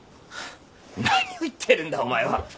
何を言ってるんだお前は。